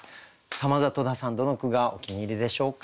まずは戸田さんどの句がお気に入りでしょうか？